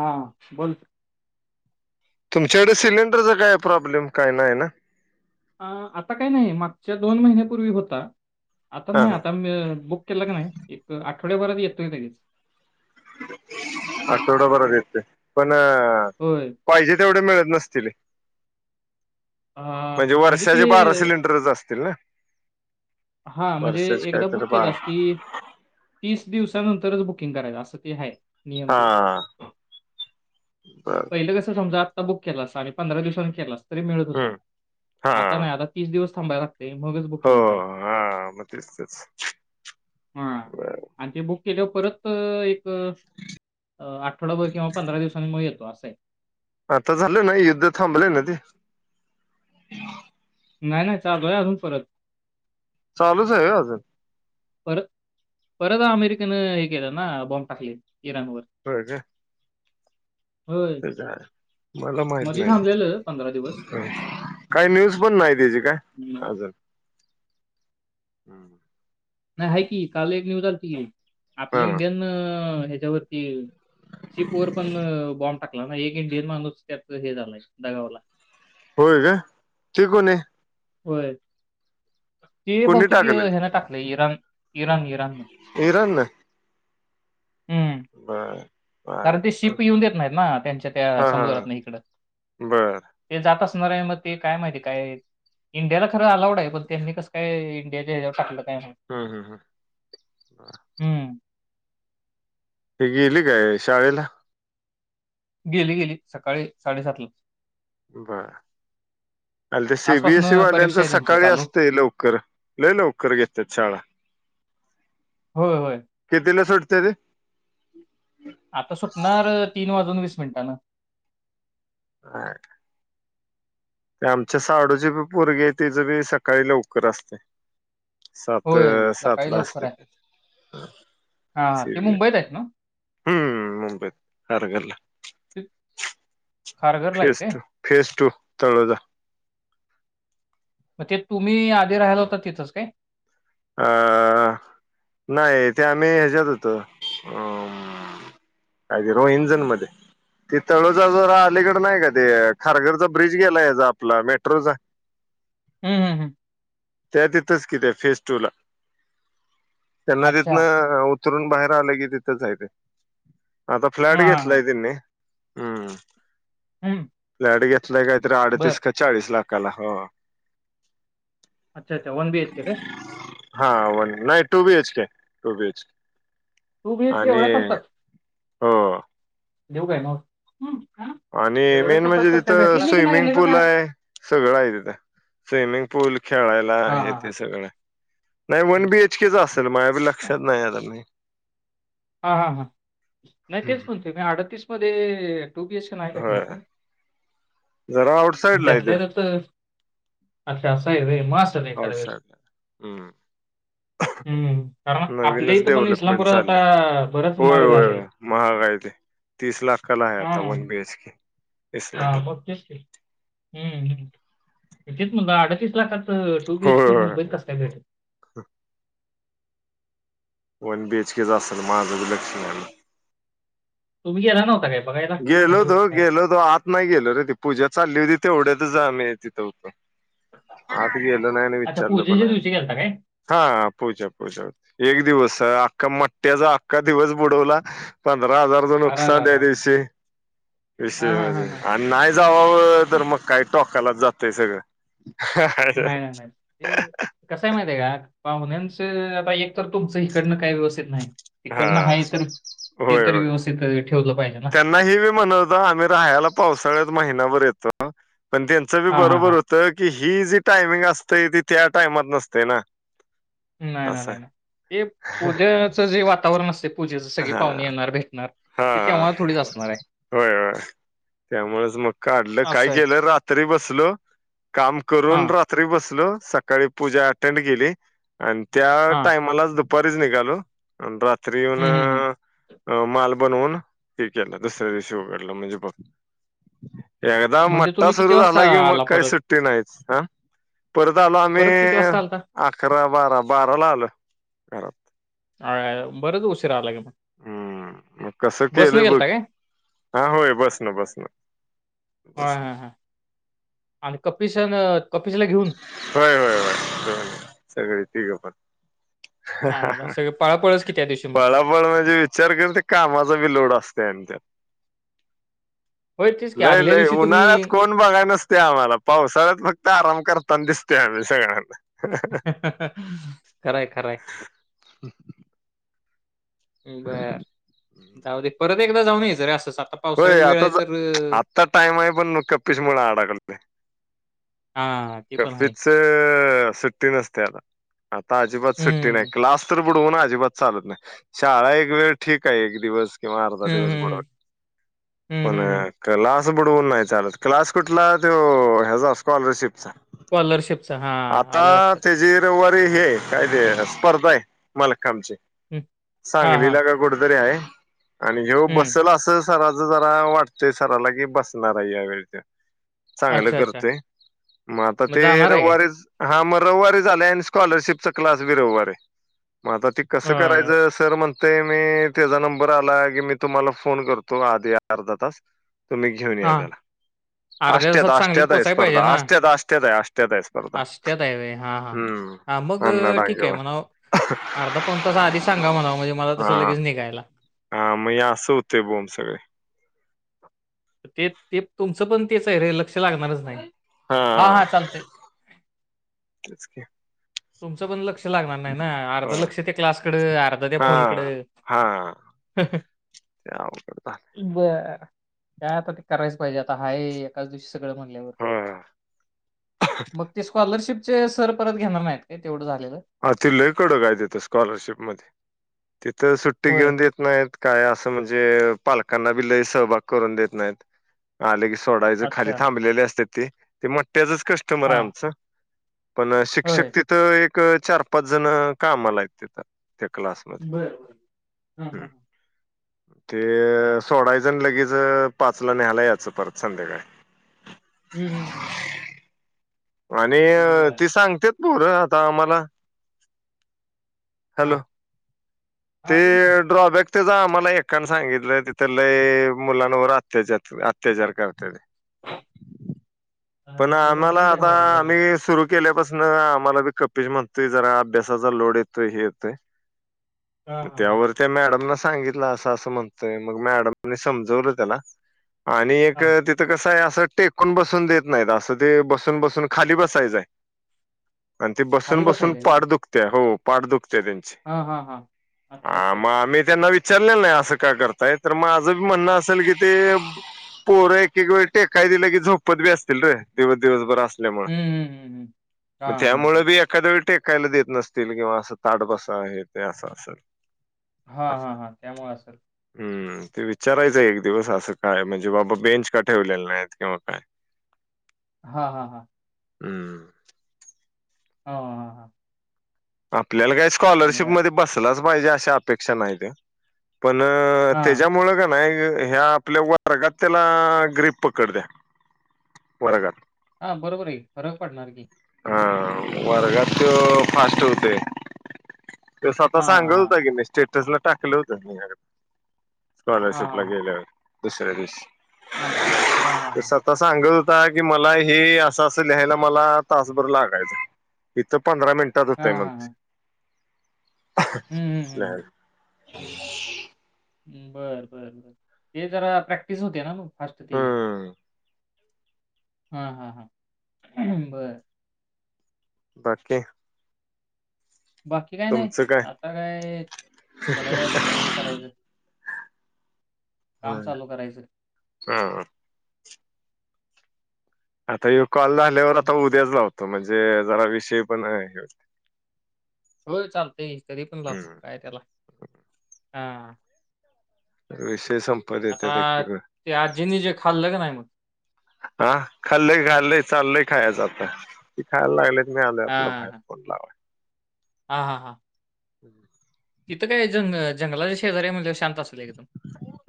हा. बोल. तुमच्याकडे सिलेंडरचा काय प्रॉब्लेम काय नाही ना? अ. आता काय नाही. मागच्या दोन महिन्यापूर्वी होता. आता हा नाही हा आता बुक केलं कीं नाही एक आठवड्याभरात येतोय लगेच. आठवडा भरात येतंय. पण होय. पाहिजे तेवढे मिळत नसतीली. अ, म्हणजे वर्षाचे बारा सिलेंडरच असतील ना? हा म्हणजे वर्षाचे एकदा काहीतरी बुक केलास बारा की तीस दिवसानंतरच बुकिंग करायचं असं ते आहे. नियम तो. हा बर पहिलं कसं समजा बुक केलास आणि पंधरा दिवसांनी केलास तरी मिळत होता, हम्म हा आता नाही आता तीस दिवस थांबाय तय मगच हो बुकिंग करायचं. हा. मग तेच- तेच. हा. बर आणि ते बुक केल्यावर परत एक अ आठवडाभर किंवा पंधरा दिवसांनी मग येतो असं आहे. आता झालं ना, युद्ध थांबलंय ना ते? नाही- नाही चालूऐ अजून परत. चालूच आहे होय अजून? परत परत अमेरिकेनं हे केलं ना, बॉम्ब टाकले इराणवर. होय काय? मला माहित ते थांबलेलं पंधरा दिवस‌. काही न्यूज पण नाही त्याची काय? हम्म. अजून. नाही आहे की. काल एक न्यूज आलती की हा आपल्या इंडियन हेच्यावरती शिप वर पण बॉम्ब टाकला ना एक इंडियन माणूस त्यात हे झालंय दगावला. होय काय? ते कोण आहे? होय. ते कोणी बहुतेक टाकलंय ह्यान टाकलंय इराण इराण इराण न. इरान न. हम्म बर. बर कारण ते बर. शिप येऊन देत नाहीत ना त्यांच्या त्या हा हा हा. समुद्रातन हिकडं. बर ते जात असणार आहे मग ते काय माहिती काय? इंडियाला खरं अलाउड आहे पण त्यांनी कस काय इंडियाच्या ह्याच्यावर टाकलं काय माहित? हं हं हं. हम्म ती गेली काय शाळेला? गेली गेली. सकाळी साडेसात ला. बर. आणि ते आजपासून सीबीएसई परीक्षा वाल्यांचं आहे त्यांची सकाळी चालू असतेय लवकर. लई लवकर घेतात शाळा. होय होय. कितीला सुटते ते? आता सुटणार तीन वाजून वीस मिनिटानं. हंक. ते आमच्या साडूची पोरगी हाय ति ज बी सकाळी लवकर असते. सात, होय सकाळी सातला लवकर असते आहे हा सीरियल. [inaudible] हम्म. मुंबईत खारघरला, ते खारघरला आहेत फेस ते टू फेस टू, तळोजा. मग ते तुम्ही आधी राहियला होता, तिथंच काय? अ नाही, ते आम्ही ह्याच्यात होतो. अ आगहोइंजन मध्ये. ते तळोज जो अलीकड नाही का, ते खारघरचा ब्रिज गेला याचा आपला मेट्रोचा. हम्म.. हम्म.. हम्म. त्या तिथंच कि फेस टूला, त्यांना अच्छा तितनं उतरून बाहेर आलं की तिथंच आहे ते. आता हा फ्लॅट हा हा घेतलाय त्यांनी. हम्म. हम्म फ्लॅट घेतलाय काहीतरी बर अडतीस का चाळीस लाखाला. हो. अच्छा अच्छा वन बी. एच. के. का? हा वन, नाही two B. H. K., two B. H. K. Two B. H. K., आणि एवढ्या स्वस्तात. हो देऊ काय माव आणि मेन म्हणजे कसं काय तिथं भेटलं स्विमिंग गेले पूल बघा आहे सगळं आहे तिथ. स्विमिंग पूल, खेळायला हा हे हा हा ते सगळं, नाही वन तेच बीएच केच असेल, माझ्या बी लक्षात नाही आलं नाही. हा.. हा.. हां. नाही तेच म्हणतोय मी, अडतीस मध्ये टू. बी. एच. के. नाही भेटणार होय त्यात. जरा आउटसाईडला आहे ते त्यातले त्यात अच्छा, असं आहे होय. मग अस आऊट साईडला. हम्म. हम्म, कारण आपले नवीनच इथं पण डेव्हलपमेंट इस्लामपुरात चाललंय आता बरंच होय महाग होय झालंय. होय महाग आहे हा. तेच की. हा. [unintelligible] असतील. हम्म, तेच म्हणलं अडतीस लाखात फक्त टू बीएच के. मुंबईत कसं काय भेट हा. One B. एच. के. असलं. माझ बी लक्ष नाही. तुम्ही गेला नव्हता काय? बघायला? काय गेलो टूरिस्ट होतो, काय? गेलो होतो. आत नाही गेलो रे, ती पूजा चालली होती. तेवढ्यातच आम्ही तिथं होतो. आत गेलो नाही आणि अच्छा विचारलो पण पूजेच्या नाही. दिवशी गेलता काय? हा पुजा पुजा. एक दिवस अख्खा मट्टयाचा अख्खा दिवस बुडवला पंधरा हजारचं नुकसान त्या आरआरआरआर. दिवशी. हां, विषय हां, हां, म्हणजे. हां. आणि नाही जावावं तर मग काही टोकालाच जातंय सगळं. नाही, नाही, नाही. ते कसं आहे माहिती आहे का? पाहुण्यांच आता एक तर तुमचं इकडनं काही व्यवस्थित नाही. हा इकडनं आहे तर, ते तर व्यवस्थित ठेवलं पाहिजे ना. नाही ह्ये बी म्हणतं होता, आम्ही राहायला पावसाळ्यात महिना भर येतो. पण त्यांच बी हां, हां, हां. बरोबर हो त, की ही जी टायमिंग असतंय, ती त्या टायमात नसतय ना. नाही ना, असं नाही ना, हे पुजाच जे वातावरण असतंय पूजेच सगळी हा पाहुणे येणार, भेटणार. ते हा तेव्हा थोडीच असणार. आहे. होय.. होय. त्यामुळेच मग काढलं काय असं आहे. केेलं रात्री बसलो काम करून हां, रात्री बसलो सकाळी पूजा अटेंड केली, आणि त्या हां. टायमालाचं दुपारीच निघाली आन रात्री येऊन हं, हं, हं. माल बनवून ते केलं दुसऱ्या दिवशी उघडलं म्हणजे बघ. एकदा म्हणजे मठ्ठा तुम्ही किती सुरू वाजता झाला की मग आला काही परत? सुट्टी नाहीच ह परत आलो आम्ही परत किती वाजता आलता? अकरा बारा बाराला आलो घरात. आय आय बरंच उशीरा आला कि मग. हम्म मग कसं बसनं केलं बघ गेलता काय? हा होय बस न बस न बस हां, न हां, हां. आणि कपिश न कपिशला घेऊन होय होय होय सगळे तिघे पण. आयला सगळे पळापळच कि त्या दिवशी मग. पळापळ म्हणजे विचार कर ते कामाचा बी लोड असते आणि त्यात. होय, तेच की लय आदल्या लय दिवशी तुम्ही उन्हाळ्यात कोण पण बघाय नसतय आम्हाला पावसाळ्यात फक्त आराम करताना दिसतय आम्ही सगळ्यांना. खर हाय खर हाय. बर जाऊ दे परत एकदा जाऊन यायचं रे असंच आता होय पावसाळ्यात वेळ आहे आताच तर अ, आत्ता टाइम आहे पण कपिश मुळं अडाकलोय. हा ते पण आहे. कपीश चं सुट्टी नसत्या आता. आता अजिबात सुट्टी नाही हं. क्लास तर बुडवून अजिबात चालत नाही. शाळा एक वेळ ठीक आहे एक दिवस किंवा अर्धा हं, दिवस हं, हं. बुडवणे हं, पण हं, हं. क्लास बुडवून नाही चालत, क्लास कुठला तो ह्याचा स्कॉलरशिपचा. स्कॉलरशिपचा हा आता आलं लक्षात. त्याची रविवारी हे काय ते स्पर्धा हाय मलकामची हं. हां, हां. सांगलीला का कुठतरी आहे, आणि ह्यो हं. बसल असंच सराच जरा वाटतंय सराला की बसणार आहे या वेळच्या चांगलं अच्छा, अच्छा. करतोय मग आता ते जाणार आहे काय? रविवारीच हा मग रविवारीच आलय आणि स्कॉलरशिपचा क्लास ब रविवार हाय मग आता ती कसं अ, करायचं तर म्हणतय मी तेचा नंबर आला की मी तुम्हाला फोन करतो आधी अर्धा तास तुम्ही घेऊन या हां. त्याला. अर्ध्या आष्ट्यात तासात सांगलीत आष्ट्यात आहे पोहोचायला स्पर्धा पाहिजे ना? आष्ट्यात आष्ट्यात आहे आष्ट्यात स्पर्धा हम. हा मग ठीक आहे म्हणाव अर्धा पावन तास आधी सांगा म्हणाव म्हणजे मला तसं हा लगेच निघायला. हा म य असं हुतय बोंब सगळ. ते ते तुमचं पण तेच आहे रे लक्ष लागणारच नाही. हां, तेचं की. तुमचं पण लक्ष लागणार नाही ना आर्ध होय. लक्ष त्या क्लासकड आर्ध त्या फोन कड. हां लय आवाघड झालय. बर काय आता ते करायच पाहिजे आता हाय त्याच दिवशी सगळं म्हणल्यावर, होय. मग ते स्कॉलरशिपचे सर परत घेणार नाहीत. हे तेवढं झालेलं. हा ते लय कडक हाय तिथं स्कॉलरशिप मध्ये, तिथं सुट्टी होय घेऊन देत नाहीत काय असं म्हणजे पालकांना बी लई सहभाग करून देत नाहीत आले की सोडायच खाली अच्छा थांबलेले असत्यात ती ते मो्ट्याचच कस्टमर हा आहे आमचं. पण होय शिक्षक तिथं एक चार पाच जण काम आलाय हायत तिथं. त्या क्लासमध्ये बर बर हा हा हम्. हा. ते अच्छा सोडायचं अन् लगेच अ पाचला न्यायला यायचं परत संध्याकाळी हम्, हम हं, हं आणि अ ती सांगत्यात पोरं आता आम्हाला हा, हॅलो ते हा बोल की ड्रॉबॅक त्याच आम्हाला एकानं सांगितलं तिथ लै मुलांवर अत्याचार- अत्याचार करता ते. हो. [inaudible] पण आम्हाला घ्या आता बाबा जरा आम्ही सुरू केल्यापासनं आम्हाला बी कपीच म्हणतोय जरा अभ्यासाचा लोड येतोय हे येतोय हा त हा हा त्यावर त्या मॅडमला सांगितलं अस -असं म्हणतोय मग मॅडमनी समजवलं त्याला. आणि एक हा तिथं कसं आहे असं टेकून बसून देत नाहीत, अस ते बसून- बसून खाली बसायचंय आणि ते खाली बसून- बसून बसायचंय होय पाड दुख दुख त्या हो पाठ दुखते त्यांची हा हा हा अच्छा हा अच्छा म अच्छा आम्ही त्यांना विचारलेलं नाही असं का करताय तर, माझंच म्हणणं असेल की ते पोरं एक -एक वेळ टेकायं दिलं की झोपतं बी असतील रे दिवस- दिवस बर अस असल्यामुळं हम्म हम्म हम्म हम्म. हा म हा हा त्यामुळे बी एखाद्या वेळी टेकायला देत नसतील, किंवा असं ताठ बसा हे ते असं असल. हा, हा, हा त्यामुळं असल. हम्म ते विचारायचं एक दिवस असं काय म्हणजे बाबा बेंच का ठेवलेले नाहीत किंवा काय? हा, हा, हा, हम्म, हं, हा, हां, आपल्याला काही बर स्कॉलरशिपमध्ये बसलाच पाहिजे अशी अपेक्षा नाही रे. पण अं हा त्याच्यामुळं का नाही ह्या आपल्या वर्गात त्याला ग्रीप पकडत्या वर्गात हा बरोबर आहे कि फरक पडणार की हा, वर्गात फास्ट होतेय. त्यो स्वतः हा सांगा होत हा की मी स्टेटसला टाकलं होतं मी अ हा हा स्कॉलरशिपला हा गेल्यावर दुसऱ्या दिवशी. हा, हाहा, हा, तो सांगत होता की मला हे असं -असं लिहायला मला तासभर लागायचा, इथं पंधरा मिनिटात हा होतयं हा म्हणतंय. हा हम्म हम्म हम्म नाही. [inaudible] बरंबर, बरं ते जरा प्रॅक्टिस होतिये ना मग फास्ट ती हम्म हा, हा, हा बरं. बाकी काय? बाकी काय नाही, तुमचं काय आता काय थोड्या वेळात हे करायचं काम चालू करायचं. हं, आता ह्यो कॉल झाल्यावर हं, आता उद्याच लावतो म्हणजे जरा विषय पण नाय हे ह्याच. होय चालतंय च तरी पण लाव हम्म काय त्याला, हा विषय संपवता येतात एक- एक क. ते आजीनी जे खाल्लंग का नाही मग? हा, खालंय- खालंय चालले खायाच आता. ति खायला लागलेत नाही, आले आपलं बाहेर फोन लावायला हा हा हां हम्म तिथं काय जंग जंगलाच्या शेजारी म्हणल्यावर शांत असणार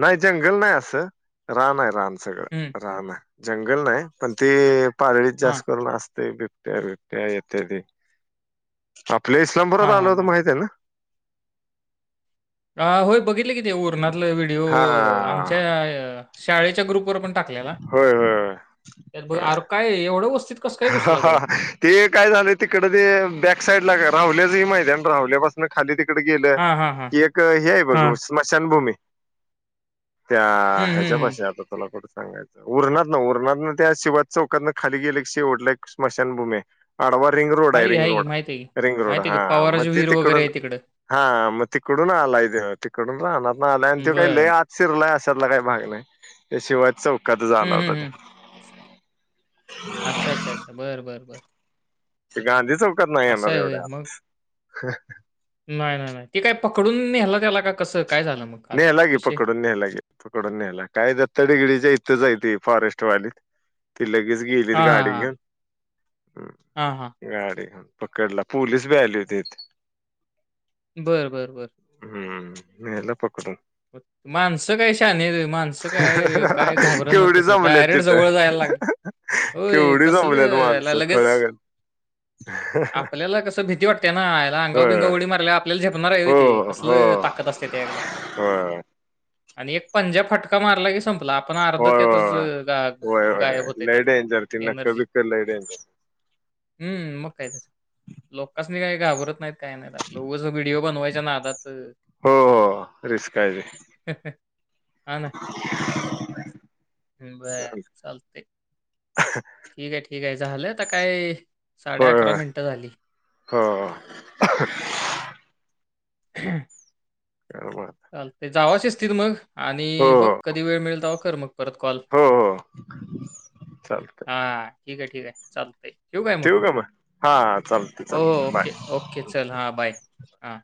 नाही जंगल नाही, असं राणा आहे, राण, सगळं हं. रान आहे जंगल नाही पण ते पारळीत हां. जास्त करून असते त्या त्या येत ते आपल्या इस्लामपुरात हां, आलं हां, होत हां. माहित आहे ना अ होय बघितले किती उरणातला व्हिडिओ आमच्या हा शाळेच्या ग्रुपवर पण टाकलेला होय होय अरे काय एवढं वस्तू हा हा ते काय झालं, तिकडे ते बॅक साईड ला का राहुल याच ह मैदान राहल्यापस खाली तिकड गेलं हां, हां, हां. की एक हे आहे बघ हां. स्मशानभूमी त्या, हं, हं, हं. ह्याच्यापाशी आता तुला कठ सांगाच उरात ना उरात ना त्या शिवाज चौकातन खाली गेले ते ओढले की स्मशानभूमी आहे आडवा रिंग रोड आहे की, रिंग की. रोड माहिती आहे की. रिंग रोड माहिती हा आहे की मग पवाराची ते विहीर वगैरे तिकडून आहे तिकडं. हा मग तिकडून आलाय ते तिकडून राहणार आणि तो काय लय बरं. आत शिरला अशातला काही भाग नाही त्याशिवाय चौकात हं, जाणार हं, हं. आहे अच्छा, अच्छ, अच्छा, बर बर,, ते गांधी चौकात नाही येणार एवढ्या होय. मग आत नाही नाही नाही ते काय पकडून नेला त्याला का कसं काय झालं मग काल नेलं की विषय? पकडून न्यायलागे पकडून न्यायला कायद्या तडगिडी जा इथ जाय फॉरेस्ट वालीत ती लगेच गेलीत गाडी घेऊन हा हां गाडी पकडला पोलीस बी आली होती बरं बरं बरं हम्म नील पकडून माणसं काय शान आहेत व्हय माणसं काय काय घाबर न केवढी तसं जमल्यात डायरेक्ट तिथं जवळ जायला लागल होय, केवढी कसल जमल्यात याला माणसं लगेच खुळ्यागत आपल्याला कस भीती वाट त्या ना याला अंगाव होय बिंगाव उडी मारयला आपल्याला झेपणार हो हवीती कसल हो ताकत असते त्याकडे होय होय आणि एक पंजा फटका मारला की संपला आपलं पण, अर्ध होय त्यातचा होय होय गायब होय. होत लय त्यातलं डेंजर ती नक्क एनर्जी बिक्क लय डेंजर हम्म मग काय लोकांच काय नाही काही घाबरत नाहीत काय नाहीत आपलं उगाच व्हिडिओ बनवायचं नादात हो हो रिस्क आहे हा ना बर चालतंय. चालते ठीक आहे, ठीक आहे, झालं आता काय साडे होय अकरा होय मिनिटं झाली हो हह बरोबर चालते जावा शिस्तीत मग आणि बघ हो हो कधी वेळ मिळेल तेवा कर मग करते कॉल हो चालतंय हा ठीक आहे ठीक आहे चालतय ठेव काय मग ठेवू का हा चालतंय हो, चालतंय बाय ओके ओके चल हा बाय हां.